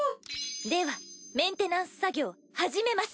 ではメンテナンス作業始めます。